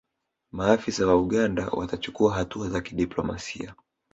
maafisa wa uganda watachukua hatua za kidiplomasia